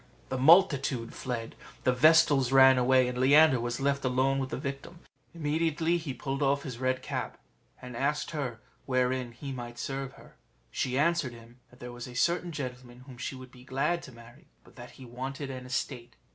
The multitude fled, the vestals ran away, and Leander was left alone with the victim; immediately he pulled off his red cap, and asked her wherein he might serve her. She answered him, that there was a certain gentleman whom she would be glad to marry, but that he wanted an estate.